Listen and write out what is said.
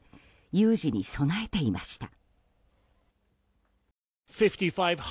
有事に備えていました。